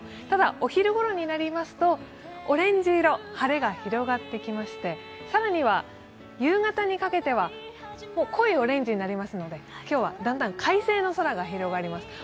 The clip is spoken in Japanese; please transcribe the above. ただ、お昼頃になりますとオレンジ色、晴れが広がってきて更には夕方にかけては濃いオレンジになりますので今日はだんだん快晴の空が広がります。